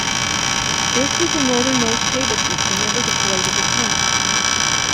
This was the northern most cable system ever deployed at the time.